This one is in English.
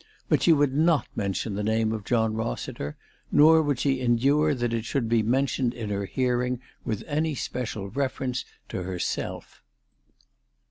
But she would not mention the name of John Rossiter, nor would she endure that it should be mentioned in her hearing with any special reference to herself.